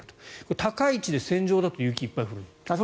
高い位置で線状だと雪がいっぱい降るんですか？